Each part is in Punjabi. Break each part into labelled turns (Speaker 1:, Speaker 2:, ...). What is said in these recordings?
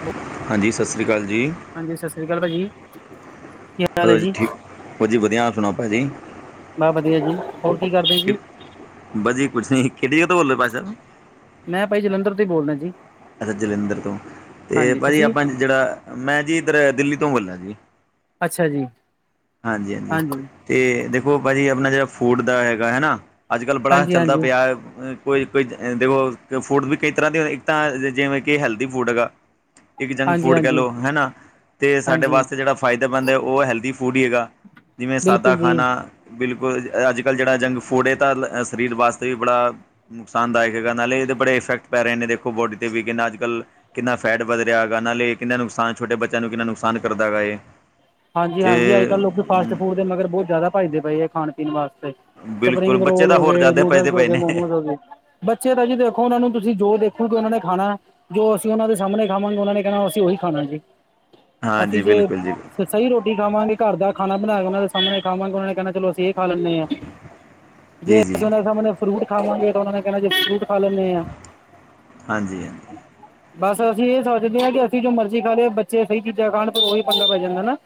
Speaker 1: ਹੈਲੋ
Speaker 2: ਹਾਂਜੀ ਸਤਿ ਸ਼੍ਰੀ ਅਕਾਲ ਜੀ
Speaker 1: ਹਾਂਜੀ ਸਤਿ ਸ਼੍ਰੀ ਅਕਾਲ ਭਾਜੀ ਕਿ
Speaker 2: ਹੋਰ ਜੀ ਠੀਕ ਵਧੀਆ ਵਧੀਆ ਆਪ ਸੁਣਾਉ ਭਾਜੀ [unintelligible]
Speaker 1: ਬਸ ਵਧੀਆ ਜੀ ਹੋਰ ਕੀ ਕਰਦੇ ਜੀ ਮੈਂ ਭਾਈ ਜਲੰਧਰ ਤੋਂ ਹੀ ਬੋਲਦਾਂ ਜੀ
Speaker 2: ਅੱਛਾ ਜਲੰਧਰ ਤੋਂ ਤੇ
Speaker 1: ਹਾਂਜੀ
Speaker 2: ਭਾਜੀ
Speaker 1: ਤੁਸੀਂ
Speaker 2: ਆਪਾਂ ਜਿਹੜਾ ਮੈਂ ਜੀ ਇੱਧਰ ਦਿੱਲੀ ਤੋਂ ਬੋਲਰਾਂ ਜੀ
Speaker 1: ਅੱਛਾ ਜੀ
Speaker 2: ਹਾਂਜੀ ਹਾਂਜੀ ਤੇ ਦੇਖੋ ਭਾਜੀ ਆਪਣਾ ਜਿਹੜਾ ਫੂਡ ਦਾ ਹੈਗਾ ਹੈਨਾ ਅੱਜ ਕੱਲ ਬੜਾ
Speaker 1: ਹਾਂਜੀ
Speaker 2: ਚੱਲਦਾ
Speaker 1: ਹਾਂਜੀ
Speaker 2: ਪਿਆ ਹੈ ਕੋਈ ਕੋਈ ਦੇਖੋ ਫੂਡ ਵੀ ਕਈ ਤਰ੍ਹਾਂ ਦੇ ਇੱਕ ਤਾਂ ਜੀ ਜਿਵੇਂ ਕਿ ਹੈਲਦੀ ਫੂਡ ਹੈਗਾ ਇੱਕ ਜੰਕ
Speaker 1: ਹਾਂਜੀ
Speaker 2: ਫੂਡ ਕਹਿ
Speaker 1: ਹਾਂਜੀ
Speaker 2: ਲਉ ਹੈਨਾ ਤੇ ਸਾਡੇ
Speaker 1: ਹਾਂਜੀ
Speaker 2: ਵਾਸਤੇ ਜਿਹੜਾ ਫਾਇਦੇਮੰਦ ਹੈ ਉਹ ਹੈਲਦੀ ਫੂਡ ਹੀ ਹੈਗਾ ਜਿਵੇਂ ਸਾਦਾ
Speaker 1: ਬਿਲਕੁਲ ਜੀ
Speaker 2: ਖਾਣਾ ਬਿਲਕੁਲ ਅੱਜ ਕੱਲ੍ਹ ਜਿਹੜਾ ਜੰਕ ਫੂਡ ਹੈ [unintelligible] ਸਰੀਰ ਵਾਸਤੇ ਵੀ ਬੜਾ ਨੁਕਸਾਨਦਾਇਕ ਹੈਗਾ ਨਾਲੇ ਇਹਦੇ ਬੜੇ ਇਫੈਕਟ ਪੈ ਰਹੇ ਨੇ ਦੇਖੋ ਬੋਡੀ ਤੇ ਵੀਕ ਹੈ ਨਾ ਅੱਜ ਕੱਲ ਕਿੰਨਾ ਫੈਟ ਵਧ ਰਿਹਾ ਹੈਗਾ ਨਾਲੇ ਕਿੰਨਾ ਨੁਕਸਾਨ ਛੋਟੇ ਬੱਚਿਆਂ ਨੂੰ ਕਿੰਨਾ ਨੁਕਸਾਨ ਕਰਦਾ ਹੈਗਾ ਏ
Speaker 1: ਹਾਂਜੀ ਹਾਂਜੀ ਅੱਜ ਕੱਲ੍ਹ ਲੋਕੀ ਫਾਸਟ ਫੂਡ ਦੇ ਮਗਰ ਬਹੁਤ ਜ਼ਿਆਦਾ ਭਜਦੇ ਪਏ ਹੈ ਖਾਣ ਪੀਣ ਵਾਸਤੇ
Speaker 2: ਬਿਲਕੁਲ
Speaker 1: ਸਪਰਿੰਗ
Speaker 2: ਬੱਚੇ
Speaker 1: ਰੋਲ
Speaker 2: ਤਾਂ
Speaker 1: ਹੋ
Speaker 2: ਹੋਰ
Speaker 1: ਗਏ
Speaker 2: ਜ਼ਿਆਦਾ ਭੱਜਦੇ
Speaker 1: ਨਿਊਡਲਸ ਹੋ
Speaker 2: ਪਏ
Speaker 1: ਗਏ
Speaker 2: ਨੇ
Speaker 1: ਮੌਮੋਜ਼ ਹੋ ਗਏ ਬੱਚੇ ਤਾਂ ਜੀ ਦੇਖੋ ਉਹਨਾਂ ਨੂੰ ਤੁਸੀਂ ਜੋ ਦੇਖੋਗੇ ਉਹਨਾਂ ਨੇ ਖਾਣਾ ਜੋ ਅਸੀਂ ਉਹਨਾਂ ਦੇ ਸਾਹਮਣੇ ਖਾਵਾਂਗੇ ਉਹਨਾਂ ਨੇ ਕਹਿਣਾ ਅਸੀਂ ਉਹੀ ਖਾਣਾ ਜੀ ਅਸੀਂ
Speaker 2: ਹਾਂਜੀ
Speaker 1: ਜੇ
Speaker 2: ਬਿਲਕੁਲ ਜੀ
Speaker 1: ਫੇਰ ਸਹੀ ਰੋਟੀ ਖਾਵਾਂਗੇ ਘਰ ਦਾ ਖਾਣਾ ਬਣਾ ਕੇ ਉਹਨਾਂ ਦੇ ਸਾਹਮਣੇ ਖਾਵਾਂਗੇ ਉਹਨਾਂ ਨੇ ਕਹਿਣਾ ਚਲੋ ਅਸੀਂ ਇਹ ਖਾ ਲੈਂਨੇ ਹਾਂ ਜੇ
Speaker 2: ਜੀ ਜੀ
Speaker 1: ਅਸੀਂ ਉਹਨਾ ਦੇ ਸਾਮਣੇ ਫਰੂਟ ਖਾਵਾਂਗੇ ਤਾ ਉਹਨਾ ਨੇ ਕਹਿਣਾ ਜੇ ਫਰੂਟ ਖਾ ਲੈਨੇ ਆ
Speaker 2: ਹਾਂਜੀ ਹਾਂਜੀ
Speaker 1: ਬਸ ਅਸੀਂ ਇਹ ਸੋਚਦੇ ਹਾਂ ਕਿ ਅਸੀਂ ਜੋ ਮਰਜ਼ੀ ਖਾ ਲਈ ਏ ਬੱਚੇ ਸਹੀ ਚੀਜ਼ਾਂ ਖਾਣ ਪਰ ਉਹੀ ਪੰਗਾ ਪੈ ਜਾਂਦਾ ਨਾ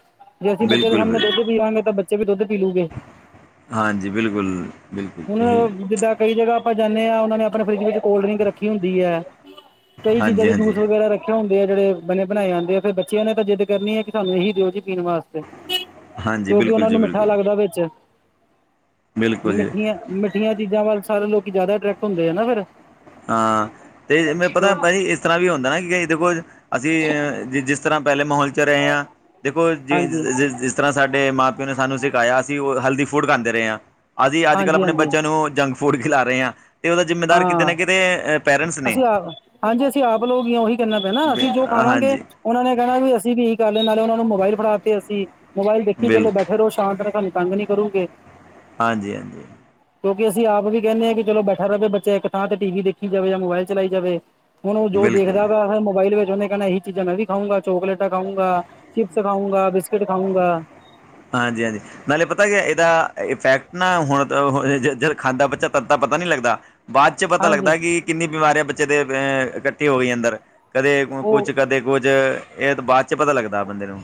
Speaker 1: ਜੇ ਅਸੀਂ ਬੱਚੇ ਦੇ
Speaker 2: ਬਿਲਕੁਲ
Speaker 1: ਸਾਮਣੇ
Speaker 2: ਬਿਲ
Speaker 1: ਦੁੱਧ ਪੀ ਲਾਂਗੇ ਤਾਂ ਬੱਚੇ ਵੀ ਦੁੱਧ ਪੀ ਲੂਗੇ।
Speaker 2: ਹਾਂਜੀ ਬਿਲਕੁਲ, ਬਿਲਕੁਲ
Speaker 1: ਹੁਣ
Speaker 2: ਇਹੀ।
Speaker 1: ਜਿੱਦਾਂ ਕਈ ਜਗ੍ਹਾ ਆਪਾਂ ਜਾਂਨੇ ਆ ਉਨਾਂ ਨੇ ਆਪਣੇ ਫਰਿੱਜ ਵਿੱਚ ਕੋਲਡ ਡਰਿੰਕ ਰੱਖੀ ਹੁੰਦੀ ਏ। ਕਈ ਚੀਜ਼ਾਂ
Speaker 2: ਹਾਂਜੀ
Speaker 1: ਦੇ
Speaker 2: ਹਾਂਜੀ
Speaker 1: ਜੂਸ ਵਗੈਰਾ ਰੱਖੇ ਹੁੰਦੇ ਆ ਜਿਹੜੇ ਬਣੇ ਬਣਾਏ ਆਦੇ ਆ ਫੇਰ ਬੱਚਿਆਂ ਨੇ ਤਾਂ ਜਿੱਦ ਕਰਨੀ ਆ ਕੇ ਸਾਨੂੰ ਇਹੀ ਦਿਓ ਜੀ ਪੀਣ ਵਾਸਤੇ,
Speaker 2: ਹਾਂਜੀ
Speaker 1: ਕਿਉਂਕਿ
Speaker 2: ਬਿਲਕੁਲ
Speaker 1: ਉਨਾ
Speaker 2: ਜੀ
Speaker 1: ਨੂੰ ਮਿੱਠਾ
Speaker 2: ਬਿਲਕੁਲ
Speaker 1: ਲੱਗਦਾ ਵਿੱਚ।
Speaker 2: ਬਿਲਕੁਲ ਜੀ
Speaker 1: ਮਿੱਠੀਆਂ, ਮਿੱਠੀਆਂ ਚੀਜ਼ਾਂ ਵੱਲ ਸਾਰੇ ਲੋਕ ਜ਼ਿਆਦਾ ਅਟਰ੍ਰੈਕਟ ਹੁੰਦੇ ਆ ਨਾ ਫਿਰ।
Speaker 2: ਹਾਂ ਤੇ ਮੈ
Speaker 1: ਹਾਂਜੀ
Speaker 2: ਪਤਾ ਭਾਜੀ ਇਸ ਤਰ੍ਹਾਂ ਵੀ ਹੁੰਦਾ ਨਾ ਕਿ ਦੇਖੋ ਅਸੀਂ ਅ ਜਿਸ ਤਰ੍ਹਾਂ ਪਹਿਲੇ ਮਹੋਲ ਚ ਰਹੇ ਹਾਂ ਦੇਖੋ ਜੇ
Speaker 1: ਹਾਂਜੀ
Speaker 2: ਜਿਸ ਤਰ੍ਹਾਂ ਸਾਡੇ ਮਾਂ ਪਿਓ ਨੇ ਸਾਨੂੰ ਸਿਖਾਇਆ ਅਸੀਂ ਉਹ ਹੈਲਦੀ ਫੂਡ ਖਾਂਦੇ ਰਹੇ ਆ। ਅਸੀਂ ਅੱਜ- ਕੱਲ੍ਹ ਆਪਣੇ
Speaker 1: ਹਾਂਜੀ
Speaker 2: ਬੱਚਿਆਂ ਨੂੰ ਜੰਕ ਫੂਡ ਖਿਲਾ ਰਹੇ ਆ ਤੇ ਉਦਾ ਜਿੰਮੇਦਾਰ,
Speaker 1: ਹਾਂ ਅਸੀਂ ਆਪ ਹਾਂਜੀ ਅਸੀਂ ਆਪ ਲੋਗ ਆ, ਉਹੀ ਕਹਿਨਾ ਪਿਆ ਨਾ ਅਸੀਂ ਜੋ ਖਾਵਾਂਗੇ
Speaker 2: ਹਾਂਜੀ
Speaker 1: ਉਨਾਂ ਨੇ ਕਹਿਣਾ ਵੀ ਅਸੀਂ ਵੀ ਗੱਲ ਨਾਲੇ ਉਨਾਂ ਨੂੰ ਮੋਬਾਇਲ ਫੜਾ ਤੇ ਅਸੀਂ ਮੋਬਾਇਲ ਦੇਖੀ ਚਲੋ
Speaker 2: ਬਿਲਕੁਲ
Speaker 1: ਬੈਠੇ ਰਹੋ ਸ਼ਾਂਤ ਤ ਤੰਗ ਨੀ ਕਰੂਗੇ।
Speaker 2: ਹਾਂਜੀ, ਹਾਂਜੀ।
Speaker 1: ਕਿਉਂਕਿ ਅਸੀਂ ਆਪ ਵੀ ਕਹਿੰਨੇ ਆ ਕਿ ਚਲੋ ਬੈਠਾ ਰਵੇ ਬੱਚਾ ਇੱਕ ਥਾਂ ਤੇ ਟੀ ਵੀ ਦੇਖੀ ਜਾਵੇ ਜਾਂ ਮੋਬਾਇਲ ਚਲਾਈ ਜਾਵੇ। ਹੁਣ ਉਹ ਜੋ
Speaker 2: ਬਿਲਕੁਲ
Speaker 1: ਦੇਖਦਾ ਪਿਆ ਏ, ਮੋਬਾਈਲ ਵਿੱਚ ਉਨੇ ਕਹਿਣਾ ਏਹੀ, ਚੀਜ਼ਾਂ ਮੈਂ ਵੀ ਖਾਊਂਗਾ, ਚੌਕਲੇਟਾਂ ਖਾਊਂਗਾ, ਚਿਪਸ ਖਾਊਂਗਾ, ਬਿਸਕਿਟ ਖਾਊਂਗਾ।
Speaker 2: ਹਾਂਜੀ, ਹਾਂਜੀ। ਨਾਲੇ ਪਤਾ ਕਿਆ ਇਹਦਾ ਇਫੈਕਟ ਨਾ ਹੁਣ ਹੁ ਜਦੋਂ ਖਾਂਦਾ ਬੱਚਾ ਤਦ ਤਾਂ ਪਤਾ ਨੀ ਲੱਗਦਾ। ਬਾਅ ਚ ਪਤਾ
Speaker 1: ਹਾਂਜੀ
Speaker 2: ਲੱਗਦਾ ਕਿ ਕਿੰਨੀ ਬਿਮਾਰੀਆਂ ਬੱਚੇ ਦੇ ਅ ਇਕੱਠੇ ਹੋ ਗਈ ਅੰਦਰ, ਕਦੇ
Speaker 1: ਉਹ
Speaker 2: ਕੁਝ ਕਦੇ ਕੁੱਝ, ਇਹ ਤਾਂ ਬਾਅ ਚ ਪਤਾ ਲੱਗਦਾ ਬੰਦੇ ਨੂੰ।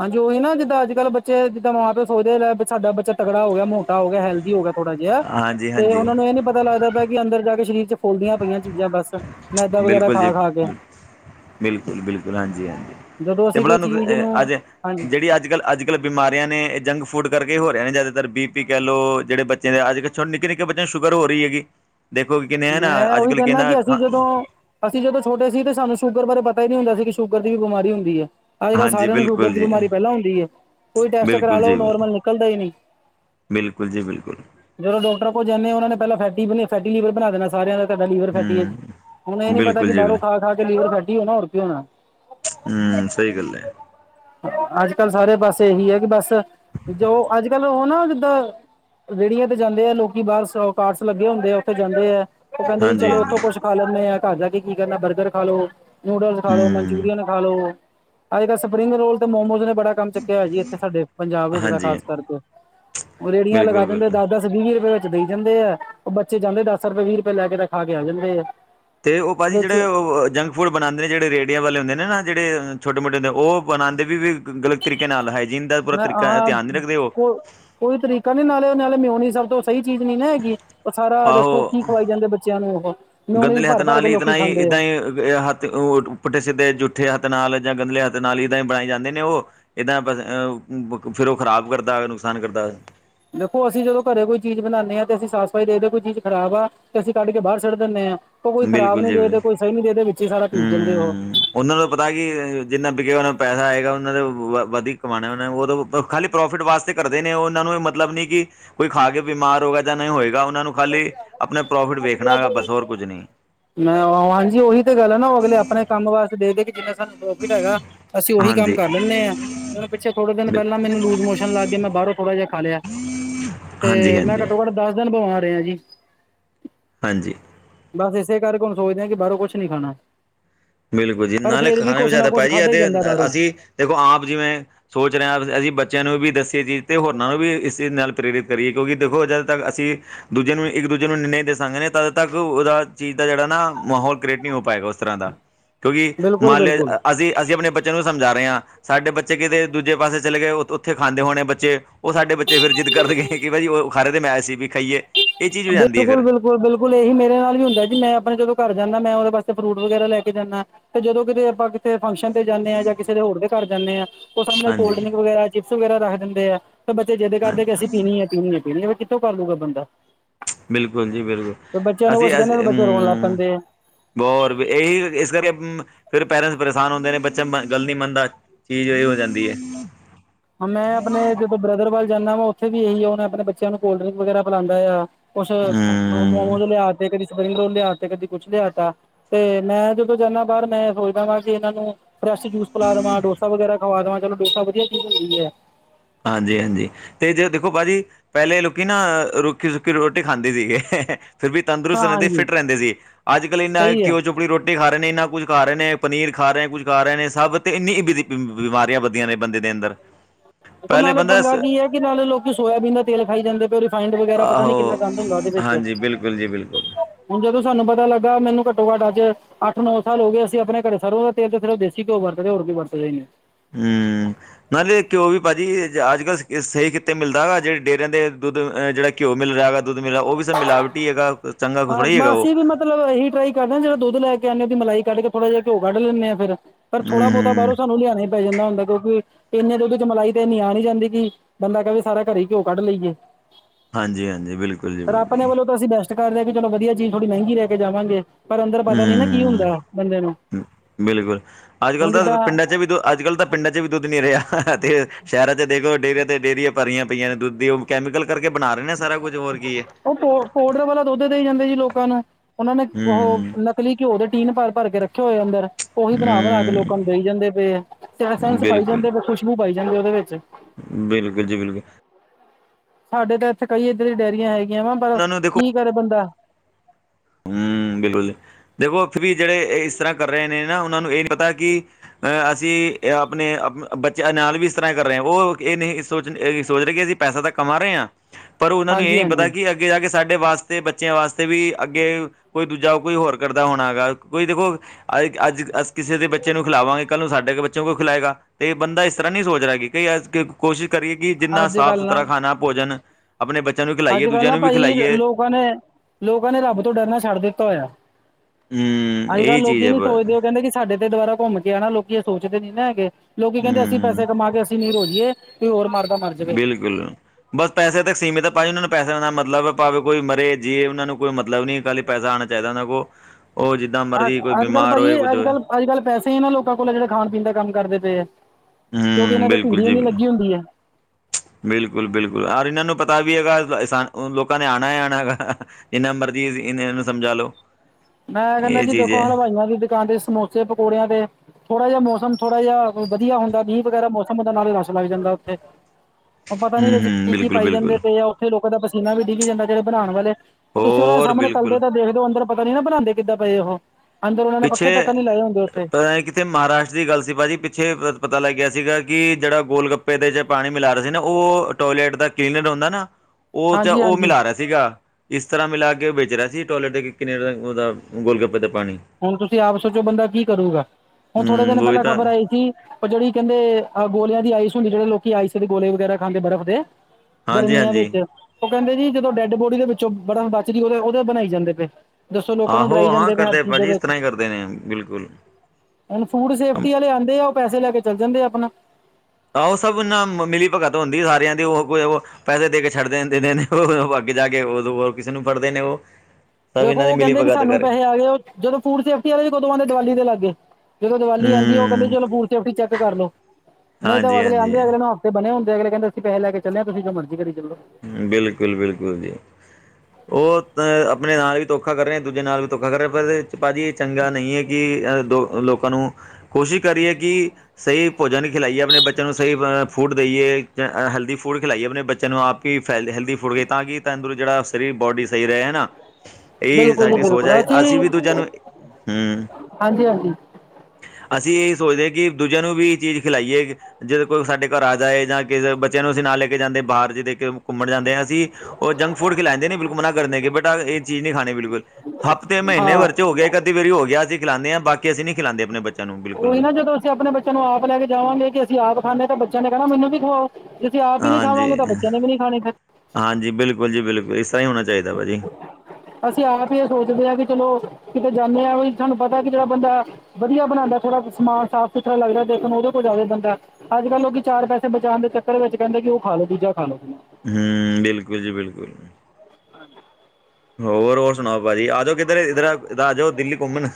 Speaker 1: ਹਾਂਜੀ ਉਹੀ ਨਾ ਜਿੱਦਾ ਅੱਜ ਕੱਲ ਬੱਚੇ ਜਿੱਦਾਂ ਮਾਂ ਪਿਓ ਸੋਚਦੇ ਵੀ ਸਾਡਾ ਬੱਚਾ ਤਕੜਾ ਹੋ ਗਿਆ, ਮੋਟਾ ਹੋ ਗਿਆ, ਹੈਲਦੀ ਹੋ ਗਿਆ ਥੋੜਾ ਜਿਹਾ
Speaker 2: ਹਾਂਜੀ
Speaker 1: ਤੇ
Speaker 2: ਹਾਂਜੀ
Speaker 1: ਉਨਾ ਨੂੰ ਇਹ ਨੀ ਪਤਾ ਲੱਗਦਾ ਪਿਆ ਕਿ ਅੰਦਰ ਜਾ ਕੇ ਸਰੀਰ ਚ ਫੁਲਦੀਆਂ ਪਈਆਂ ਚੀਜ਼ਾਂ ਬਸ। ਮੈਦਾ ਵਗੈਰਾ
Speaker 2: ਬਿਲਕੁਲ ਜੀ
Speaker 1: ਖਾ-ਖਾ ਕੇ।
Speaker 2: ਬਿਲ ਬਿਲਕੁਲ, ਬਿਲਕੁਲ ਹਾਂਜੀ-ਹਾਂਜੀ
Speaker 1: ਜਦੋਂ
Speaker 2: ਤੇ ਇਹ
Speaker 1: ਅਸੀਂ
Speaker 2: ਬੜਾ
Speaker 1: ਕੋਈ
Speaker 2: ਨੁ
Speaker 1: ਚੀਜ਼ ਨੂੰ
Speaker 2: ਅੱਜ
Speaker 1: ਹਾਂਜੀ
Speaker 2: ਜਿਹੜੀ ਅੱਜ ਕੱਲ੍ਹ ਅੱਜ ਕਲ ਬਿਮਾਰੀਆਂ ਨੇ ਜੰਕ ਫੂਡ ਕਰਕੇ ਹੋ ਰਿਹਾ ਨੇ ਜ਼ਿਆਦਾਤਰ, ਬੀ ਪੀ ਕਹਿ ਲੋ ਜਿਹੜੇ ਬੱਚੇ ਦੇ ਅੱਜ ਛੋ ਨਿੱਕੇ, ਨਿੱਕੇ ਬੱਚਿਆਂ ਨੂੰ ਸ਼ੂਗਰ ਹੋ ਰਹੀ ਹੈਗੀ, ਦੇਖੋ ਕਿਹਨੇ ਹੈ ਨਾ
Speaker 1: ਮੈਂ
Speaker 2: ਅੱਜ
Speaker 1: ਉਹੀ
Speaker 2: ਕੱਲ ਕੀ
Speaker 1: ਕਹਿੰਦਾ
Speaker 2: ਨਾ
Speaker 1: ਕਿ ਅਸੀਂ ਜਦੋਂ ਅਸੀਂ ਜਦੋਂ ਛੋਟੇ ਸੀ ਤੇ ਸਾਨੂੰ ਸ਼ੂਗਰ ਬਾਰੇ ਪਤਾ ਈ ਨੀ ਹੁੰਦਾ ਸੀ ਕਿ ਸ਼ੂਗਰ ਦੀ ਵੀ ਬਿਮਾਰੀ ਹੁੰਦੀ ਐ। ਅੱਜ ਕੱਲ੍ਹ
Speaker 2: ਹਾਂਜੀ
Speaker 1: ਸਾਰਿਆਂ ਨੂੰ ਸ਼ੂਗਰ
Speaker 2: ਬਿਲਕੁਲ
Speaker 1: ਦੀ
Speaker 2: ਜੀ
Speaker 1: ਬਿਮਾਰੀ ਪਹਿਲਾਂ ਹੁੰਦੀ ਐ। 'ਕੋਈ ਟੈਸਟ ਕਰਾ
Speaker 2: ਬਿਲਕੁਲ ਜੀ
Speaker 1: ਲਓ ਨੋਰਮਲ ਨਿਕਲਦਾ ਈ ਨੀ।
Speaker 2: ਬਿਲਕੁਲ ਜੀ, ਬਿਲਕੁਲ।
Speaker 1: ਜਦੋਂ ਡਾਕਟਰ ਕੋਲ ਜਾਂਦੇ ਆ ਉਨਾਂ ਨੇ ਪਹਿਲਾ ਫੈ ਫੈਟੀ ਲੀਵਰ ਬਣਾ ਦੇਣਾ ਸਾਰਿਆਂ ਦਾ। ਤਾਡਾ ਲੀਵਰ ਫੈਟੀ ਐ ਜੀ, ਹੁਣ ਇਹ
Speaker 2: ਹੂੰ
Speaker 1: ਨੀ ਪਤਾ
Speaker 2: ਬਿਲਕੁਲ
Speaker 1: ਕਿ
Speaker 2: ਜੀ ਬਿਲ
Speaker 1: ਬਾਹਰੋਂ ਖਾ- ਖਾ ਕੇ ਲੀਵਰ ਫੈਟੀ ਹੋਣਾ ਹੋਰ ਕੀ ਹੋਣਾ।
Speaker 2: ਹੂੰ ਸਹੀ ਗੱਲ ਐ।
Speaker 1: ਅੱਜ ਕੱਲ ਸਾਰੇ ਬਸ ਇਹੀ ਆ ਕਿ ਬਸ ਜੋ ਅੱਜ ਕੱਲ ਉਹ ਨਾ ਜਿੱਦਾਂ' ਰੇੜੀਆਂ ਤੇ ਜਾਂਦੇ ਆ ਲੋਕੀ, ਬਾਹਰ ਕਾਡਸ ਲੱਗੇ ਹੁੰਦੇ ਆ ਉੱਥੇ ਜਾਂਦੇ ਆ। ਉਹ ਕਹਿੰਦੇ ਜੀ
Speaker 2: ਹਾਂਜੀ
Speaker 1: ਚਲੋ,
Speaker 2: ਹਾਂਜੀ
Speaker 1: ਇੱਥੋਂ ਕੁਛ ਖਾ ਲੈਂਨੇ ਆ, ਘਰ ਜਾ ਕੇ ਕੀ ਕਰਨਾ ਬਰਗਰ ਖਾ ਲੋੋ। ਨੂਡਲਸ ਖਾ ਲੋ,
Speaker 2: ਹੂੰ
Speaker 1: ਮਨਚੂਰੀਅਨ ਖਾ ਲੋ, ਅੱਜ ਕੱਲ੍ਹ ਸਪਰਿੰਗ ਰੋਲ ਤੇ ਮੋਮੋਜ਼ ਨੇ ਬੜਾ ਕੰਮ ਚੁੱਕਿਆ ਜੀ ਇੱਥੇ ਸਾਡੇ ਪੰਜਾਬ ਵਿੱਚ ਤਾਂ
Speaker 2: ਹਾਂਜੀ
Speaker 1: ਖਾਸ ਕਰਕੇ ਰੇੜੀਆਂ ਲਗਾ
Speaker 2: ਬਿਲਕੁਲ
Speaker 1: ਦਿੰਦੇ
Speaker 2: ਬਿਲਕੁਲ
Speaker 1: ਦਸ-ਦਸ ਵੀ ਵੀ ਰੁਪਏ ਵਿੱਚ ਦੇਈ ਜਾਂਦੇ ਆ ਉਹ ਬੱਚੇ ਜਾਂਦੇ ਦਸ ਰੁਪਏ ਵੀ ਰੁਪਏ ਲੈ ਕੇ ਤਾਂ ਖਾ ਕੇ ਆ ਜਾਂਦੇ ਆ।
Speaker 2: ਤੇ ਉਹ ਭਾਜੀ
Speaker 1: ਵਿੱਚ
Speaker 2: ਜਿਹੜੇ ਉਹ ਜੰਕ ਫੂਡ ਬਣਾਦੇ ਨੇ ਜਿਹੜੇ ਰੇੜੀਆਂ ਵਾਲੇ ਹੁੰਦੇ ਨੇ ਨਾ ਜਿਹੜੇ ਛੋਟੇ ਮੋਟੇ ਹੁੰਦੇ ਉਹ ਬਣਾਦੇ ਵੀ ਗਲਤ ਤਰੀਕੇ ਨਾਲ ਹੈ, ਜਿਨ ਦਾ ਪੂਰਾ
Speaker 1: ਮੈਂ
Speaker 2: ਤਰੀਕਾ
Speaker 1: ਹਾਂ
Speaker 2: ਧਿਆਨ ਨਹੀਂ ਰੱਖਦੇ ਉਹ
Speaker 1: ਕੋ ਕੋਈ ਤਰੀਕਾ ਨੀ ਨਾਲੇ ਨਾਲੇ ਮਿਉਨੀ ਸਭ ਤੋਂ ਸਹੀ ਚੀਜ਼ ਨੀ ਨਾ ਹੈਗੀ ਉਹ ਸਾਰਾ ਦੇਖੋ
Speaker 2: ਆਹੋ
Speaker 1: ਕੀ ਖਵਾਈ ਜਾਂਦੇ ਆ ਬੱਚਿਆਂ ਨੂੰ ਉਹ ਮੈਂ ਮੈਂਓਨੀਸ
Speaker 2: ਗੰਦਲੇ ਹੱਥ
Speaker 1: ਭਰ-ਭਰ
Speaker 2: ਨਾਲ
Speaker 1: ਕੇ
Speaker 2: ਹੀ
Speaker 1: ਲੋਕ ਖਾਂਈ
Speaker 2: ਇਤਨਾ ਹੀ
Speaker 1: ਜਾਦੇ ਆ।
Speaker 2: ਇੱਦਾਂ ਹੀ ਹੱਥ ੳਹ ਪੁੱਠੇ ਸਿੱਧੇ ਜੂਠੇ ਹੱਥ ਨਾਲ ਜਾਂ ਗੰਧਲੇ ਹੱਥ ਨਾਲ ਈ ਬਣਾਈ ਜਾਂਦੇ ਨੇ ਉਹੋ ਇਦਾ ਬਸ ਫੇਰ ਉਹ ਖ਼ਰਾਬ ਕਰਦਾ ਨੁਕਸਾਨ ਕਰਦਾ।
Speaker 1: ਦੇਖੋ ਅਸੀਂ ਜਦੋਂ ਘਰੇ ਕੋਈ ਚੀਜ਼ ਬਣਾਣੇ ਆਂ ਤੇ ਅਸੀਂ ਸਾਫ਼ ਸਫ਼ਾਈ ਦੇਖਦੇ ਕੋਈ ਚੀਜ਼ ਖਰਾਬ ਆ। ਤੇ ਅਸੀਂ ਕੱਢ ਕੇ ਬਾਰ ਸੇਟ ਦਿੰਦੇ ਆਂ ਓ ਕੋਈ ਖਰਾਬ
Speaker 2: ਬਿਲਕੁਲ
Speaker 1: ਨੀ
Speaker 2: ਜੀ ਬਿਲਕੁਲ
Speaker 1: ਦੇਖਦੇ ਕੋਈ ਸਈ ਨੀ ਦੇਖਦੇ ਵਿੱਚ ਈ ਸਾਰਾ ਪੀਸ ਦਿੰਦੇ ਓ।
Speaker 2: ਉਨਾਂ ਨੂੰ ਪਤਾ ਕਿ ਜਿੰਨਾ ਵਿਕੇ ਉਨਾਂ ਨੂੰ ਪੈਸਾ ਆਏਗਾ ਉਨਾਂ ਨੇ ਵਧ ਈ ਕਮਾਣਾ ਉਨਾਂ ਨੇ ਓ ਤੋਂ ਖਾਲੀ ਪ੍ਰੋਫਿਟ ਵਾਸਤੇ ਕਰਦੇ ਨੇ ਉਨਾਂ ਨੂੰ ਏ ਮਤਲਬ ਨੀ ਕਿ ਕੋਈ ਖਾ ਕੇ ਬਿਮਾਰ ਹੋਏਗਾ ਜਾਂ ਨਈ ਹੋਏਗਾ ਉਨਾਂ ਨੂੰ ਖਾਲੀ ਆਪਣੇ ਪ੍ਰੋਫਿਟ ਵੇਖਣਾ ਹੈਗਾ ਬਸ ਹੋਰ ਕੁਝ ਨਈ।
Speaker 1: ਮੈਂ ਹਾਂਜੀ ਉਹੀ ਤੇ ਗੱਲ ਹੈ ਨਾ ਓ ਅਗਲੇ ਆਪਣੇ ਕੰਮ ਵਾਸਤੇ ਦੇਖਦੇ ਕਿ ਜਿੰਨੇ ਸਾਨੂੰ ਪ੍ਰੋਫਿਟ ਹੈਗਾ ਅਸੀ ਉਹੀ ਕੰਮ
Speaker 2: ਹਾਂਜੀ
Speaker 1: ਕਰ ਲੈਣੇ ਆਂ ਹੁਣ ਪਿੱਛੇ ਥੋੜੇ ਦਿਨ
Speaker 2: ਬਿਲ
Speaker 1: ਪੈਲਾਂ ਮੈਨੂੰ ਲੂਜ ਮੋਸ਼ਨ ਲੱਗ ਗਏ ਮੈਂ ਬਾਰੋਂ ਥੋੜਾ ਜਿਹਾ ਖਾ ਲਿਆ
Speaker 2: ਹਾਂਜੀ
Speaker 1: ਤੇ ਮੈਂ
Speaker 2: ਹਾਂਜੀ
Speaker 1: ਘੱਟੋ ਘੱਟ ਦਸ ਦਿਨ ਬਮਾਰ ਰਿਆ ਜੀ।
Speaker 2: ਹਾਂਜੀ
Speaker 1: ਬਸ ਇਸੇ ਕਰਕੇ ਹੁਣ ਸੋਚਦੇ ਹਾਂ ਕਿ ਬਾਰੋਂ ਕੁਛ ਨੀ ਖਾਣਾ
Speaker 2: ਬਿਲਕੁਲ ਜੀ
Speaker 1: ਪਰ
Speaker 2: ਨਾਲੇ
Speaker 1: ਫੇਰ
Speaker 2: ਖਾਣਾ ਵੀ
Speaker 1: ਕੁਛ ਨਾ
Speaker 2: ਜਾਦਾ
Speaker 1: ਕੁਛ
Speaker 2: ਪੈ ਜਾਏ
Speaker 1: ਖਾਧਾ ਹੀ
Speaker 2: ਅਤੇ
Speaker 1: ਜਾਂਦਾ ਬਾਹਰੋਂ
Speaker 2: ਅਸੀਂ ਦੇਖੋ ਆਪ ਜਿਵੇ ਸੋਚ ਰਏ ਆਂ ਅਸੀਂ ਬੱਚਿਆਂ ਨੂੰ ਵੀ ਦੱਸੀਏ ਚੀਜ਼ ਅਤੇ ਹੋਰਨਾਂ ਨੂੰ ਵੀ ਇਸ ਚੀਜ਼ ਨਾਲ ਪ੍ਰੇਰਿਤ ਕਰੀਏ ਕਿਉਂਕਿ ਦੇਖੋ ਜਦ ਤੱਕ ਅਸੀ ਦੂਜੇ ਨੂੰ ਇੱਕ ਦੂਜੇ ਨੂੰ ਨਈ ਦਸਾਂਗੇ ਨੇ ਤਦ ਤੱਕ ਉਦਾ ਚੀਜ਼ ਦਾ ਜੇੜਾ ਨਾ ਮਾਹੌਲ ਕ੍ਰੀਏਟ ਨਈ ਹੋ ਪਾਏਗਾ ਉਸ ਤਰ੍ਹਾਂ ਦਾ ਕਿਉਂਕਿ
Speaker 1: ਬਿਲਕੁਲ
Speaker 2: ਮੰਨ
Speaker 1: ਬਿਲਕੁਲ
Speaker 2: ਲਿਆ ਅਸੀ-ਅਸੀ ਆਪਣੇ ਬੱਚੇ ਬੱਚੇ ਨੂੰ ਸਮਝਾ ਰਏ ਆਂ ਸਾਡੇ ਬੱਚੇ ਕਿਤੇ ਦੂਜੇ ਪਾਸੇ ਚਲੇ ਗਏ ਉੱਥੇ ਖਾਂਦੇ ਹੋਣੇ ਬੱਚੇ ਓ ਸਾਡੇ ਬੱਚੇ ਫਿਰ ਜਿੱਦ ਕਰਨ ਗਏ ਕਿ ਓ ਖਾ ਰਏ ਤੇ ਮੈ ਅਸੀ ਵੀ ਖਾਈਏ। ਇਹ ਚੀਜ਼ ਹੋ ਜਾਂਦੀ ਹੈ
Speaker 1: ਬਿਲਕੁਲ-ਬਿਲ
Speaker 2: ਫਿਰ
Speaker 1: ਬਿਲਕੁਲ-ਬਿਲਕੁਲ ਇਹੀ ਮੇਰੇ ਨਾਲ ਵੀ ਹੁੰਦਾ ਜੀ ਮੈਂ ਆਪਣੇ ਜਦੋਂ ਘਰ ਜਾਂਣਾ ਮੈਂ ਉਦੇ ਵਾਸਤੇ ਫਰੂਟ ਵਗੈਰਾ ਲੈ ਕੇ ਜਾਂਣਾ। ਤੇ ਜਦੋਂ ਕਿਤੇ ਆਪਾਂ ਕਿਤੇ ਫੰਕਸ਼ਨ ਤੇ ਜਾਣੇ ਆ ਜਾਂ ਕਿਸੇ ਦੇ ਹੋਰ ਦੇ ਘਰ ਜਾਣੇ ਆਂ ਉਹ ਸਾਹਮਣੇ ਕੋਲਡ
Speaker 2: ਹਾਂਜੀ
Speaker 1: ਡਰਿੰਕ ਵਗੈਰਾ ਚਿਪਸ ਵਗੈਰਾ ਰੱਖ ਦਿੰਦੇ ਆ ਤਾਂ ਬੱਚੇ ਜਿੱਦ
Speaker 2: ਹਾਂਜੀ
Speaker 1: ਕਰਦੇ ਕਿ ਅਸੀ ਪੀਣੀ ਐ-ਪੀਣੀ ਐ-ਪੀਣੀ ਐ ਕਿੱਥੋਂ ਕਰ ਲੂਗਾ ਬੰਦਾ
Speaker 2: ਬਿਲਕੁਲ ਜੀ- ਬਿਲਕੁਲ
Speaker 1: ਫਿਰ ਬੱਚਿਆਂ ਨੂੰ ਕੁਛ ਕਹਿੰਦੇ
Speaker 2: ਅਸੀ-ਅਸੀ
Speaker 1: ਬੱਚੇ ਰੋਣ ਲੱਗ
Speaker 2: ਅਮ
Speaker 1: ਪੈਂਦੇ ਆ
Speaker 2: ਬੋਰ ਇਹੀ ਇਸ ਕਰਕੇ ਫਿਰ ਪੇਰੈਂਟਸ ਪਰੇਸ਼ਾਨ ਹੁੰਦੇ ਨੇ ਬੱਚਾ ਮ ਗੱਲ ਨਈ ਮੰਨਦਾ। ਚੀਜ਼ ਉਹੀ ਹੋ ਜਾਂਦੀ ਐ।
Speaker 1: ਹਾਂ ਮੈਂ ਆਪਣੇ ਜਦੋਂ ਬ੍ਰਦਰ ਵੱਲ ਜਾਣਾ ਵਾ ਉੱਥੇ ਵੀ ਇਹੀ ਆ ਉਨੇ ਆਪਣੇ ਬੱਚਿਆਂ ਨੂੰ ਕੋਲਡਰਿੰਕ ਵਗੈਰਾ ਪਿਲਾਂਦਾ ਆ। ਕੁਛ
Speaker 2: ਹਮ
Speaker 1: ਮੋਮਸ ਲਿਆ ਤੇ ਆ ਕਦੀ ਸਪਰਿੰਗ ਰੋਲ ਲਿਆ ਤੇ ਕਦੀ ਕੁਛ ਲਿਆ ਤਾ। ਤੇ ਮੈਂ ਜਦੋਂ ਜਾਣਾ ਬਾਰ ਮੈਂ ਸੋਚਦਾ ਵਾ ਕਿ ਇਨਾਂ ਨੂੰ ਫਰੈਸ਼ ਜੂਸ ਪਿਲਾ ਦਵਾਂ ਡੋਸਾ ਵਗੈਰਾ ਖਵਾ ਦਵਾਂ ਚਲੋ ਡੋਸਾ ਵਧੀਆ ਚੀਜ਼ ਹੁੰਦੀ ਐ।
Speaker 2: ਹਾਂਜੀ-ਹਾਂਜੀ ਤੇ ਜੇ ਦੇਖੋ ਭਾਜੀ ਪੈਲੇ ਲੋਕੀ ਨਾ ਰੁੱਖੀ ਸੁੱਕੀ ਰੋਟੀ ਖਾਂਦੇ ਸੀਗੇ ਫਿਰ ਵੀ
Speaker 1: ਹਾਂ
Speaker 2: ਤੰਦਰੁਸਤ ਰੈਂਦੇ
Speaker 1: ਹਾਂਜੀ
Speaker 2: ਫਿਟ ਰੈਂਦੇ ਸੀ ਅੱਜ ਕੱਲ ਇੰਨਾ
Speaker 1: ਸਹੀ ਹੈ
Speaker 2: ਘਿਉ ਚੁੱਪੜੀ ਰੋਟ ਰੋਟੀ ਖਾ ਰਏ ਨੇ ਇੰਨਾ ਕੁੱਝ ਖਾ ਰਏ ਨੇ ਪਨੀਰ ਖਾ ਰਏ ਨੇ ਕੁਝ ਖਾ ਰਏ ਨੇ ਸਭ ਤੇ ਇੰਨੀ ਬੀਜੀ ਬਿਮਾਰੀਆਂ ਵਧੀਆ ਨੇ ਬੰਦੇ ਦੇ ਅੰਦਰ
Speaker 1: ਦੇਖੋ
Speaker 2: ਪਹਿਲੇ
Speaker 1: ਨਾਲੇ
Speaker 2: ਬੰਦਾ
Speaker 1: ਪੰੰਗਾ ਕੀ ਏ ਕਿ ਨਾਲੇ ਲੋਕੀ ਸੋਇਆਬੀਨ ਦਾ ਤੇਲ ਖਾਈ ਜਾਂਦੇ ਪਏ। ਰਿਫਾਇੰਡ ਵਗੈਰਾ ਪਤਾ ਨੀ ਕਿੰਨਾ
Speaker 2: ਆਹੋ
Speaker 1: ਗੰਦ ਹੁੰਦਾ ਉਦੇ ਵਿੱਚ
Speaker 2: ਹਾਂਜੀ ਬਿਲਕੁਲ ਜੀ ਬਿਲਕੁਲ
Speaker 1: ਹੁਣ ਜਦੋਂ ਸਾਨੂੰ ਪਤਾ ਲੱਗਾ ਮੈਨੂੰ ਘੱਟੋ ਘੱਟ ਅੱਜ ਅੱਠ ਨੌ ਸਾਲ ਹੋ ਗਏ ਅਸੀ ਆਪਣੇ ਘਰ ਸਰੋਂ ਦਾ ਤੇਲ ਤੇ ਫਿਰ ਦੇਸੀ ਘਿਓ ਵਰਤਦੇ ਹੋਰ ਕੋਈ ਵੀ ਵਰਤਦੇ ਈ ਨਈ।
Speaker 2: ਹੂੰ ਨਾਲੇ ਘਿਓ ਵੀ ਭਾਜੀ ਅੱਜ ਕੱਲ੍ਹ ਸਈ ਕਿੱਥੇ ਮਿਲਦਾ ਵਾ ਜਿਹੜੇ ਡੇਰਿਆਂ ਦੇ ਦੁੱਧ ਅਹ ਜੇੜਾ ਘਿਓ ਮਿਲ ਰਿਆ ਹੈਗਾ ਦੁੱਧ ਮਿਲ ਰਿਆ ਓ ਵੀ ਸਾਰੇ ਮਿਲਾਵਟੀ ਹੀ ਹੈਗਾ। ਚੰਗਾ ਥੋੜ੍ਹਾ
Speaker 1: ਹਾਂ
Speaker 2: ਉਹ।
Speaker 1: ਅਸੀ ਵੀ ਮਤਲਬ ਇਹੀ ਟਰਾਈ ਕਰਦੇ ਆਂ ਜੇੜਾ ਦੁੱਧ ਲੈ ਕੇ ਆਂਣੇ ਉਦੀ ਮਲਾਈ ਕੱਢ ਕੇ ਥੋੜਾ ਜਿਹਾ ਘਿਓ ਕੱਢ ਲੈਂਣੇ ਫਿਰ ਪਰ ਥੋੜਾ ਬੋਤਾ
Speaker 2: ਹੂੰ-ਹੂੰ,
Speaker 1: ਬਾਰੋਂ ਸਾਨੂੰ ਲਿਆਣਾ ਈ ਪੈ ਜਾਂਦਾ ਹੁੰਦਾ ਕਿਉਂਕਿ ਇੰਨੇ ਦੁਧ 'ਚ ਮਲਾਈ ਤੇ ਇੰਨੀ ਆ ਨੀ ਜਾਂਦੀ ਕਿ ਬੰਦਾ ਕਵੇ ਸਾਰਾ ਘਰੇ ਈ ਘਿਓ ਕੱਢ ਲਈਏ।
Speaker 2: ਹਾਂਜੀ-ਹਾਂਜੀ ਬਿਲਕੁਲ ਜੀ ਬਿਲਕੁਲ
Speaker 1: ਬਸ ਜੀ ਬੈਸਟ ਘਰ ਲੈ ਕੇ ਚਲੋ ਵਧੀਆ ਚੀਜ਼ ਥੋੜੀ ਮਹਿੰਗੀ ਲੈ ਕੇ ਜਾਵਾਂਗੇ ਪਰ ਅੰਦਰ ਪਤਾ ਨੀ ਨਾ ਕੀ ਹੁੰਦਾ ਬੰਦੇ ਨੂੰ
Speaker 2: ਬਿਲਕੁਲ ਅੱਜ ਕੱਲ
Speaker 1: ਹੁਣ
Speaker 2: ਤਾਂ
Speaker 1: ਜਿੱਦਾਂ
Speaker 2: ਪਿੰਡਾਂ 'ਚ ਵੀ ਦ ਅੱਜ ਕਲ ਤਾਂ ਪਿੰਡਾਂ ਚ ਵੀ ਦੁੱਧ ਨੀ ਰਿਹਾ, ਅਤੇ ਸ਼ਹਿਰਾਂ ਚ ਦੇਖ ਲੋ ਡੇਅਰੀਆਂ ਤੇ ਡੇਅਰੀਆਂ ਭਰੀਆਂ ਪਈਆਂ ਨੇ ਦੁੱਧ ਦੀ ਉਹ ਕੈਮੀਕਲ ਕਰਕੇ ਬਣਾ ਰਹੇ ਨੇ ਸਾਰਾ ਕੁਝ ਹੋਰ ਕੀ ਹੈ।
Speaker 1: ਉਹ ਪ ਪੋਡਰ ਵਾਲਾ ਦੁੱਧ ਦਈ ਜਾਂਦੇ ਸੀ ਲੋਕਾਂ ਨੂੰ ਉਹਨਾਂ ਨੇ ਉਹ
Speaker 2: ਹੂੰ,
Speaker 1: ਨਕਲੀ ਘਿਓ ਦੇ ਟੀਨ ਭਰ- ਭਰ ਕੇ ਰੱਖੇ ਹੋਏ ਅੰਦਰ। ਉਹੀ ਬਣਾ-ਬਣਾ ਕੇ
Speaker 2: ਹੂੰ
Speaker 1: ਲੋਕਾਂ ਨੂੰ ਦੇਈ ਜਾਂਦੇ ਪਏ ਆ। ਸੈਂਸ ਪਾਈ
Speaker 2: ਬਿਲਕੁਲ,
Speaker 1: ਜਾਂਦੇ ਪਏ ਖੁਸ਼ਬੂ ਪਾਈ ਜਾਂਦੇ ਉਹਦੇ ਵਿੱਚ
Speaker 2: ਬਿਲਕੁਲ ਜੀ ਬਿਲਕੁਲ।
Speaker 1: ਸਾਡੇ ਤਾਂ ਇੱਥੇ ਕਈ ਐਧਾ ਦੀ ਡੇਅਰੀਆਂ ਹੈਗੀਆਂ ਵਾ ਪਰ
Speaker 2: ਉਹਨਾਂ ਨੂੰ
Speaker 1: ਕੀ ਕਰੇ ਬੰਦਾ।
Speaker 2: ਹਮ ਬਿਲਕੁਲ ਜੀ ਦੇਖੋ ਵੀ ਜਿਹੜੇ ਇਸ ਤਰ੍ਹਾਂ ਕਰ ਰਹੇ ਨੇ ਨਾ ਉਹਨਾਂ ਨੂੰ ਇਹ ਨੀ ਪਤਾ ਕਿ ਅ ਅਸੀਂ ਆਪਣੇ ਬੱਚੇ ਨਾਲ ਵੀ ਇਸ ਤਰ੍ਹਾਂ ਕਰ ਰਹੇ ਹਾਂ ਉਹ ਇਹ ਨਹੀਂ ਸੋਚ ਸੋਚ ਰਹੇ ਅਸੀਂ ਪੈਸਾ ਤਾਂ ਕਮਾ ਰਹੇ ਹਾਂ, ਪਰ ਉਹਨਾਂ ਨੂੰ ਇਹ
Speaker 1: ਹਾਂਜੀ
Speaker 2: ਨਹੀਂ
Speaker 1: ਹਾਂਜੀ
Speaker 2: ਪਤਾ ਕਿ ਅੱਗੇ ਜਾ ਕੇ ਸਾਡੇ ਵਾਸਤੇ ਬੱਚਿਆਂ ਵਾਸਤੇ ਵੀ ਅੱਗੇ ਕੋਈ ਦੂਜਾ ਕੋਈ ਹੋਰ ਕਰਦਾ ਹੋਣਾ ਹੈ ਹੈਗਾ ਕੋਈ ਦੇਖੋ ਅੱਜ-ਅੱਜ ਅਸੀ ਕਿਸੇ ਦੇ ਬੱਚੇ ਨੂੰ ਖਿਲਾਵਾਂਗੇ ਕੱਲ ਨੂੰ ਸਾਡਾ ਬੱਚਾ ਬੱਚੇ ਕੋ ਖਿਲਾਏਗਾ ਤੇ ਇਹ ਬੰਦਾ ਇਸ ਤਰ੍ਹਾਂ ਨਹੀਂ ਸੋਚ ਰਿਹਾ ਕਿ ਕਈ ਕੋਸ਼ਿਸ਼ ਕਰੀਏ ਕਿ ਜਿੰਨਾ
Speaker 1: ਅੱਜ
Speaker 2: ਸਾਫ
Speaker 1: ਕੱਲ ਨਾ
Speaker 2: ਸੁਥਰਾ ਖਾਣਾ ਭੋਜਨ ਆਪਣੇ ਬੱਚਿਆਂ ਨੂੰ ਵੀ ਖਿਲਾਈਏ,
Speaker 1: ਅੱਜ ਕੱਲ
Speaker 2: ਦੂਜਿਆਂ
Speaker 1: ਨਾ
Speaker 2: ਨੂੰ ਵੀ
Speaker 1: ਭਾਈ
Speaker 2: ਖਿਲਾਈਏ।
Speaker 1: ਲੋਕਾਂ ਨੇ ਲੋਕਾਂ ਨੇ ਰੱਬ ਤੋਂ ਡਰਨਾ ਛੱਡ ਦਿੱਤਾ ਹੋਇਆ।
Speaker 2: ਹੂੰ
Speaker 1: ਅੱਜ
Speaker 2: ਇਹੀ
Speaker 1: ਕੱਲ੍ਹ
Speaker 2: ਚੀਜ਼
Speaker 1: ਲੋਕੀ ਨੀ
Speaker 2: ਹੈ
Speaker 1: ਸੋਚਦੇ ਉਹ ਕਹਿੰਦੇ ਕਿ ਸਾਡੇ ਤੇ ਦੁਬਾਰਾ ਘੁੰਮ ਕੇ ਆਣਾ ਲੋਕੀ ਇਹ ਸੋਚਦੇ ਨੀ ਨਾ ਹੈਗੇ, ਲੋਕੀ ਕਹਿੰਦੇ ਅਸੀਂ
Speaker 2: ਹੂੰ,
Speaker 1: ਪੈੇ ਕਾ ਕੇ ਅਸੀਂ ਨਹੀਂ ਰੋਈਏ। ਕੋਈ ਹੋਰ ਮਰਦਾ ਮਾਰਦਾ
Speaker 2: ਬਿਲਕੁਲ। ਬਸ ਪੈਸੇ ਤਕ ਸੀਮਿਤ ਹੈ ਭਾਈਂ ਉਹਨਾਂ ਨੂੰ ਪੈਸਿਆਂ ਦਾ ਮਤਲਬ ਭਾਵੇਂ ਕੋਈ ਮਰੇ ਜਿਵੇਂ ਉਹਨਾਂ ਨੂੰ ਕੋਈ ਮਤਲਬ ਨੀ ਕੱਲੀ ਪੈਸਾ ਆਉਣਾ ਚਾਹੀਦਾ ਉਹਨਾਂ ਕੋਲ, ਉਹ ਜਿੱਦਾਂ ਮਰਜ਼ੀ ਕੋਈ
Speaker 1: ਅੱਜ ਕੱਲ੍ਹ
Speaker 2: ਬਿਮਾਰ ਹੋਏ
Speaker 1: ਭਾਜੀ
Speaker 2: ਕੁਛ
Speaker 1: ਅੱਜ
Speaker 2: ਹੋਏ
Speaker 1: ਕੱਲ ਅੱਜ ਕੱਲ੍ਹ ਪੈਸੇ ਇਹ ਨਾ ਲੋਕਾਂ ਕੋਲ ਜਿਹੜੇ ਖਾਣ ਪੀਣ ਦਾ ਕੰਮ ਕਰਦੇ ਪਏ ਆ। ਕਿਉਂਕਿ
Speaker 2: ਹੂੰ,
Speaker 1: ਇਹਨਾਂ ਦੀ ਭੀੜ
Speaker 2: ਬਿਲਕੁਲ
Speaker 1: ਇਹ
Speaker 2: ਜੀ
Speaker 1: ਨੀ ਲੱਗੀ ਹੁੰਦੀ ਹੈ।
Speaker 2: ਬਿਲਕੁਲ-ਬਿਲਕੁਲ ਰ ਇਹਨਾਂ ਨੂੰ ਪਤਾ ਵੀ ਹੈਗਾ ਲੋਕਾਂ ਨੇ ਆਣਾ-ਆਣਾ ਹੈਗਾ। ਜਿੰਨਾ ਮਰਜ਼ੀ ਸੀ ਇਹ ਇਹਨੂੰ ਸਮਝਾ ਲੋ।
Speaker 1: ਮੈਂ ਕਹਿੰਦਾ
Speaker 2: ਇਹ
Speaker 1: ਜੀ
Speaker 2: ਚੀਜ਼ ਹੈ
Speaker 1: ਦੇਖੋ ਹਲਵਾਈਆਂ ਦੀ ਦੁਕਾਨ ਤੇ ਸਮੋਸੇ, ਪਕੌੜਿਆਂ ਤੇ ਥੋੜਾ ਜਿਹਾ ਮੌਸਮ ਥੋੜ੍ਹਾ ਜਿਹਾ ਵਧੀਆ ਹੁੰਦਾ ਮੀਂ ਵਗੈਰਾ ਮੌਸਮਦਾ ਨਾਲ ਹੀ ਰਸ਼ ਲਹ ਜਾਂਦਾੱ ਓਥੇ। ਪਤਾ ਨੀ ਵਿੱਚ
Speaker 2: ਹੂੰ-ਹੂੰ,
Speaker 1: ਕੀ, ਕੀ ਪਾਈ ਜਾਂਦੇ
Speaker 2: ਬਿਲਕੁਲ-ਬਿਲਕੁਲ
Speaker 1: ਪਏ, ਤੇ ਆ ਉੱਥੇ ਲੋਕਾਂ ਦਾ ਪਸੀਨਾ ਵੀ ਡਿੱਗ ਜਾਂਦਾ ਜਿਹੜੇ ਬਣਾਉਣ ਵਾਲੇ ਤੁਸੀਂ ਉਹਨਾਂ ਦੇ
Speaker 2: ਹੋਰ
Speaker 1: ਸਾਹਮਣੇ ਤਲਦੇ
Speaker 2: ਬਿਲਕੁਲ
Speaker 1: ਤਾਂ ਦੇਖਦੇਓ ਅੰਦਰ ਪਤਾ ਨੀ ਨਾ ਬਣਾਉਂਦੇ ਕਿੱਦਾ ਪਏ ਉਹ। ਅੰਦਰ ਉਹਨਾਂ ਨੇ ਪੱਖੇ ਤੱਕ ਨਹੀਂ ਲਾਏ ਹੁੰਦੇ ਉਥੇ
Speaker 2: ਇੱਥੇ ਮਹਾਰਾਸ਼ਟਰ ਦੀ ਗੱਲ ਸੀ ਭਾਜੀ ਪਿੱਛੇ ਪਤਾ ਲੱਗ ਗਿਆ ਸੀਗਾ ਕਿ ਜਿਹੜਾ ਗੋਲ ਗੱਪੇ ਤੇ ਚ ਪਾਣੀ ਮਿਲਾ ਰਹੇ ਸੀ ਨਾ ਉਹ ਟੋਇਲੇਟ ਦਾ ਕਲੀਨਰ ਹੁੰਦਾ ਨਾ ਉਹ ਚ
Speaker 1: ਹਾਂਜੀ
Speaker 2: ਉਹ
Speaker 1: ਹਾਂਜੀ
Speaker 2: ਮਿਲਾ ਰਿਹਾ ਸੀਗਾ ਇਸ ਤਰ੍ਹਾਂ ਮਿਲਾ ਕੇ ਉਹ ਵੇਚ ਰਿਹਾ ਸੀ ਟੋਇਲੇਟ ਤੇ ਕਿ ਕਿੰਨੇ ਉਹਦਾ ਗੋਲ ਗੱਪੇ ਤੇ ਪਾਣੀ।
Speaker 1: ਹੁਣ ਤੁਸੀਂ ਆਪ ਸੋਚੋ ਬੰਦਾ ਕੀ ਕਰੂਗਾ। ਹੁਣ ਥੋੜੇ ਦਿਨ
Speaker 2: ਹੂੰ ਉਹੀ
Speaker 1: ਪਹਿਲਾਂ
Speaker 2: ਤਾਂ
Speaker 1: ਖ਼ਬਰ ਆਈ ਸੀ ਕੀ ਪਰ ਜਿਹੜੀ ਕਹਿੰਦੇ ਆ ਗੋਲ ਦੀ ਆਈਸ ਹੁੰਦੀ ਜਿਹੜੇ ਲੋਕੀ ਆਈਸ ਗੋਲੇ ਵਗੈਰਾ ਖਾਂਦੇ ਬਰਫ਼ ਦੇ
Speaker 2: ਹਾਂਜੀ
Speaker 1: ਗਰਮੀਆਂ
Speaker 2: ਹਾਂਜੀ
Speaker 1: ਵਿੱਚ ਉਹ ਕਹਿੰਦੇ ਜੀ ਜਦੋਂ ਡੈਡ ਬੋਡੀ ਦੇ ਵਿੱਚੋਂ ਬੜਾ ਬਚਦੀਓ ਉਹਦੇ ਬਣਾਈ ਜਾਂਦੇ ਪਏ। ਦੱਸੋ ਲੋਕਾਂ ਨੂੰ ਡਰਾਈ
Speaker 2: ਆਹੋ ਹਾਂ
Speaker 1: ਜਾਂਦੇ ਪਏ ਹਨ।
Speaker 2: ਕਰਦੇ ਭਾਜੀ ਇਸ ਤਰ੍ਹਾਂ ਹੀ ਕਰਦੇ ਨੇ ਬਿਲਕੁਲ।
Speaker 1: ਹੁਣ ਫੂਡ ਸੇਫਟੀ ਵਾਲੇ ਆਉਂਦੇ ਆ, ਉਹ ਪੈਸੇ ਲੈ ਕੇ ਚੱਲ ਜਾਂਦੇ ਆ ਆਪਣਾ।
Speaker 2: ਤਾਂ ਉਹ ਸਭ ਇਨਾਂ ਮਿਲੀ ਭਗਤ ਹੁੰਦੀ ਸਾਰਿਆਂ ਦੀ ਉਹ ਕੋਈ ਪੈਸੇ ਦੇ ਕੇ ਛੱਡਦੇ ਦਦੇ ਨੇ ਉਹ ਅੱਗੇ ਜਾ ਕੇ ਉਦੋਂ ਕਿਸੇ ਨੂੰ ਫੜਦੇ ਨੇ ਉਹ। ਸਭ ਇਹਨਾਂ
Speaker 1: ਵੇਖੋ
Speaker 2: ਦੀ
Speaker 1: ਉਹ
Speaker 2: ਮਿਲੀ
Speaker 1: ਕਹਿੰਦੇ ਕਿ
Speaker 2: ਭਗਤ
Speaker 1: ਸਾਨੂੰ
Speaker 2: ਕਰਕੇ
Speaker 1: ਪੈਸੇ ਆ ਗਏ ਉਹ ਜਦੋਂ ਫੂਡ ਸੇਫਟੀ ਵਾਲੇ ਉਦੋਂ ਆ ਦੇ ਦੀਵਾਲੀ ਦੇ ਲਾਗੇ। ਜਦੋਂ ਦੀਵਾਲੀ ਆਉਂਦੀ ਉਹ ਕਹਿੰਦੇ
Speaker 2: ਹੂੰ
Speaker 1: ਚਲੋ ਪੂਰ ਸੇਫਟੀ ਚੈੱਕ ਕਰ ਲਓ, ਨਹੀਂ ਤਾਂ ਉਹ ਅਗਲੇ
Speaker 2: ਹਾਂਜੀ-ਹਾਂਜੀ,
Speaker 1: ਆਉਂਦੇ ਅਗਲੇ ਨਾਲ ਬਣੇ ਹੁੰਦੇ ਅਗਲੇ ਕਹਦੇ ਅਸੀ ਪੈੇਹੈ ਲੈ ਕੇ ਚੱਲਿਆ ਤੁਸੀਂ ਜੋ ਮਰਜ਼ੀ ਚੱਲੋ।
Speaker 2: ਬਿਲਕੁਲ-ਬਿਲਕੁਲ ਜੀ। ਉਹ ਤੇ ਅਪਨੇ ਨਾਲ ਵੀ ਧੋਖਾ ਕਰ ਰਹੇ ਦੂਜੇ ਨਾਲ ਵੀ ਧੋਖਾ ਕਰ ਰਹੇ ਪਰ ਭਾਜੀ ਇਹ ਚੰਗਾ ਨਹੀਂ ਏ ਕਿ ਦੋ ਲੋਕਾਂ ਨੂੰ ਕੋਸ਼ਿਸ਼ ਕਰੀਏ ਕਿ ਸਹੀ ਭੋਜਨ ਖਿਲਾਈਏ ਅਪਨੇ ਬੱਚਿਆਂ ਨੂੰ ਸਹੀ ਫੂਡ ਦੇਈਏ ਜਾਂ ਹੈਲਦੀ ਫੂਡ ਖਿਲਾਈਏ ਅਪਨੇ ਬੱਚਿਆਂ ਨੂੰ ਆਪ ਕਿ ਫਾਇਦੇ ਹੈਲਦੀ ਫੂਡ ਦੇ ਤਾਂ ਕਿ ਤੈ ਦੂ ਜਿਹੜਾ ਸਰੀਰ ਬੋਡੀ ਸਹੀ ਰਹੇ ਹੈਨਾ ਇਹ
Speaker 1: ਬਿਲਕੁਲ ਜੀ
Speaker 2: ਸਾਡੀ ਸੋਚ
Speaker 1: ਬਿਲਕੁਲ
Speaker 2: ਐ, ਅਸੀਂ ਵੀ ਦੂਜਿਆਂ ਨੂੰ ਹਮ
Speaker 1: ਹਾਂਜੀ ਹਾਂਜੀ
Speaker 2: ਅਸੀਂ ਇਹ ਸੋਚਦੇ ਆ ਕਿ ਦੂਜਿਆਂ ਨੂੰ ਵੀ ਇਹ ਚੀਜ਼ ਖਿਲਾਈਏ ਜਿਦੋਂ ਕੋਈ ਸਾਡੇ ਘਰ ਆ ਜਾਏ ਜਾਂ ਕਿਸੇ ਬੱਚਿਆਂ ਨੂੰ ਅਸੀਂ ਨਾ ਲੈ ਕੇ ਜਾਂਦੇ ਬਾਹਰ ਜਿਹਦੇ ਘੁੰਮਣ ਜਾਂਦੇ ਹਾਂ ਅਸੀਂ, ਉਹ ਜੰਕ ਫੂਡ ਕਿ ਲੋੰਦੇ ਨਹੀਂ ਬਿਲਕੁਮ ਮਨਾ ਕਰਦੇਗੇ ਬੇਟਾ ਇਹ ਚੀਜ਼ ਨਹੀਂ ਖਾਨੀ ਬਿਲਕੁਲ ਹਫ਼ਤੇ ਮਹੀਨੇ
Speaker 1: ਹਾਂ
Speaker 2: ਭਰ ਚ ਹੋ ਗਏ ਕਦੀ ਵਾਰੀ ਹੋ ਗਿਆ ਅਸੀਂ ਖਿਲਾਉਦੇ ਹਾਂ ਬਾਕੀ, ਅਸੀਂ ਨਹੀਂ ਖਿਲਾਉਂਦੇ ਆਪਣੇ ਬੱਚਿਆਂ ਨੂੰ ਬਿਲਕੁਲ ਵੀ
Speaker 1: ਅਸੀ ਆਪਣੇ ਬੱਚਿਆਂ ਨੂੰ ਆਪ ਲੈ ਕੇ ਜਾਵਾਂਗੇ ਕਿ ਅਸੀਂ ਆਪ ਖਾਂਨੇ ਤੇ ਬੱਚਿਆਂ ਨੇ ਕਹਿਣਾ ਮੈਨੂੰ ਵੀ ਖਵਾਓ ਜੇ ਅਸੀਂ ਆਪ ਹੀ ਨੀ
Speaker 2: ਹਾਂਜੀ
Speaker 1: ਖਾਵਗੇ ਤਾਂ ਬੱਚਿਆਂ ਨੇ ਵੀ ਨੀ ਖਾਨੀ ਫੇਰ
Speaker 2: ਹਾਂਜੀ ਬਿਲਕੁਲ ਜੀ ਬਿਲਕੁਲ, ਇਸ ਤਰ੍ਹਾਂ ਹੀ ਹੋਨਾ ਚਾਹੀਦਾ ਭਾਜੀ
Speaker 1: ਅਸੀਂ ਆਪ ਹੀ ਇਹ ਸੋਚਦੇ ਆ ਕਿ ਚਲੋ ਕਿਤੇ ਜਾਂਨੇ ਆ ਵੀ ਸਾਹਨੂੰ ਪਤਾ ਏ ਕਿ ਜਿਹੜਾ ਬੰਦਾ ਵਦੀਆ ਬਣਾੰਦਾ ਥੋੜਾ ਸਮਾਨ ਸਾਫ਼ ਸੁਥਰਾ ਲੱਗਦਾ ਦੇਖਨ ਉਹਦੇ ਕੋਲ ਜਾਵੇ ਬੰਦਾ ਅੱਜ ਕੱਲ੍ਹ ਲੋਕੀ ਚਾਰ ਪੈਸੇ ਬਚਾਉਣ ਦੇ ਚੱਕਰ ਵਿੱਚ ਕਹਿੰਦੇ ਕਿ ਉਹ ਖਾ ਲੋ ਦੂਜਾ ਖਾ ਲੋ
Speaker 2: ਹੰ, ਬਿਲਕੁਲ ਜੀ ਬਿਲਕੁਲ
Speaker 1: ਹਾਂਜੀ।
Speaker 2: ਹੋਰ-ਹੋਰ ਸੁਨਾਓ ਭਾਜੀ ਆ ਜਾਓ ਕਿੱਧਰੇ ਇੱਧਰ ਆ ਜਾਓ ਦਿੱਲੀ ਘੁੰਮਣ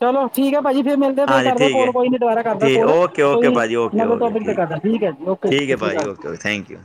Speaker 1: ਚਲੋ ਠੀਕ ਹੈ। ਭਾਜੀ ਫਿਰ ਮਿਲਦੇ ਫਿਰ
Speaker 2: ਹਾਂਜੀ
Speaker 1: ਕਰਦੇ ਆ
Speaker 2: ਠੀਕ
Speaker 1: ਕੋਲ
Speaker 2: ਹੈ
Speaker 1: ਕੋਈ ਨੀ ਦੁਬਾਰਾ ਕਰਦਾ
Speaker 2: ਠੀਕ
Speaker 1: ਕੋਲ
Speaker 2: ਓਕੇ ਓਕੇ
Speaker 1: ਕੋਈ
Speaker 2: ਭਾਜੀ ਓਕੇ
Speaker 1: ਨਵੇ
Speaker 2: ਓਕੇ
Speaker 1: ਟੋਪਿਕ ਤੇ ਕਰਦਾ ਠੀਕ ਐ ਓਕੇ ਜੀ,
Speaker 2: ਠੀਕ
Speaker 1: ਸਸਿ
Speaker 2: ਹੈ
Speaker 1: ਸ਼੍ਰੀ
Speaker 2: ਭਾਜੀ
Speaker 1: ਅਕਾਲ ਜੀ
Speaker 2: ਓਕੇ ਓਕੇ ਥੈਂਕ ਯੂ।